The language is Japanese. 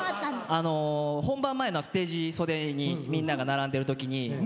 本番前のステージ袖にみんなが並んでるときに。